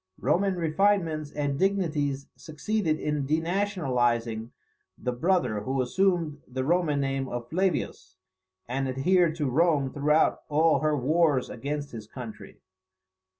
Roman refinements and dignities succeeded in denationalizing the brother, who assumed the Roman name of Flavius, and adhered to Rome throughout all her wars against his country.